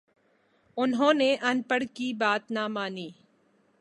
انہوں نے اَن پڑھ کی بات نہ مانی